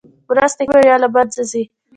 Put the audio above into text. مرستې کمې او یا له مینځه ځي.